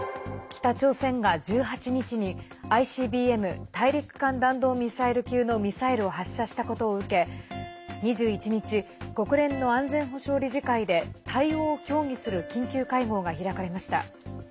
北朝鮮が１８日に、ＩＣＢＭ＝大陸間弾道ミサイル級のミサイルを発射したことを受け２１日国連の安全保障理事会で対応を協議する緊急会合が開かれました。